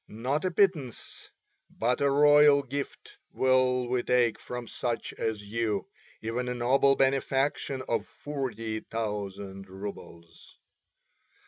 Not a pittance but a royal gift will we take from such as you, even a noble benefaction of forty thousand roubles."